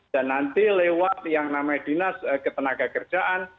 dan nanti lewat yang namanya dinas ketenagakerjaan